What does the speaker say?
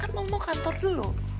kan mau kantor dulu